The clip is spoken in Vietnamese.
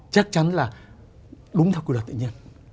chắc chắn là đúng thật của đất tự nhiên